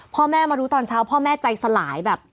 พ่อแม่มารู้ตอนเช้าพ่อแม่ใจสลายแบบ